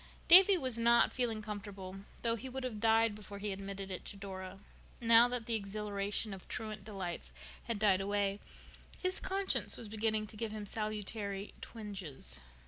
Davy was not feeling comfortable, though he would have died before he admitted it to Dora. Now that the exhilaration of truant delights had died away, his conscience was beginning to give him salutary twinges.